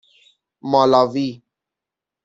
مالاوی